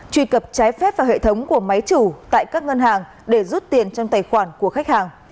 truy cập trái phép vào hệ thống của máy chủ tại các ngân hàng để rút tiền trong tài khoản của khách hàng